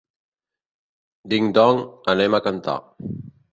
Ding Dong anem a cantar.